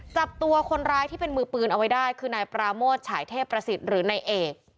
จับตัวคนร้ายที่เป็นมือปืนเอาไว้ได้คือนายปราโมทฉายเทพประสิทธิ์หรือนายเอก